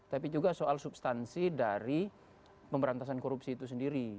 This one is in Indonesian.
tapi juga soal substansi dari pemberantasan korupsi itu sendiri